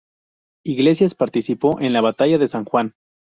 Iglesias participó en la Batalla de San Juan.